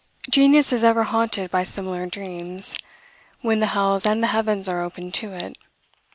Genius is ever haunted by similar dreams, when the hells and the heavens are opened to it.